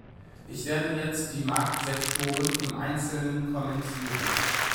Ich werde jetzt die Marktsektoren im Einzelnen kommentieren.